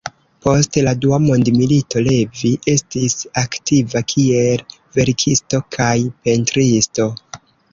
Post la dua mondmilito Levi estis aktiva kiel verkisto kaj pentristo.